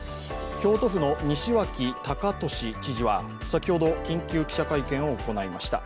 京都府の西脇隆俊知事は先ほど緊急記者会見を行いました。